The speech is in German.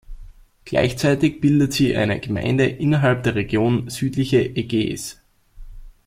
Gleichzeitig bildet sie eine Gemeinde innerhalb der Region Südliche Ägäis.